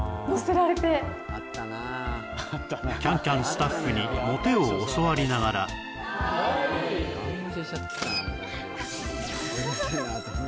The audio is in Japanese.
「ＣａｎＣａｍ」スタッフにモテを教わりながらかわいい！